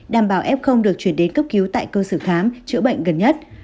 đảm bảo ép không được chuyển đến cấp cứu tại cơ sở khám chữa bệnh gần nhất